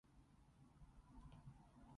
佢撚人呀，唔止一鑊㗎